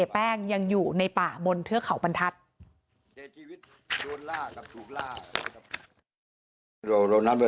เพราะว่านายมันปิดหมดแล้ว